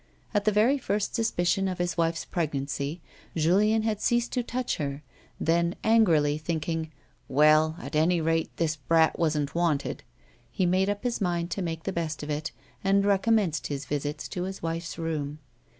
At the very first suspicion of his wife's pregnancy, Julien had ceased to touch her, then, angrily thinking, " Well, at any rate, this brat wasn't wanted," he made up his mind to make the best of it, and recommenced his visits to his wife's room.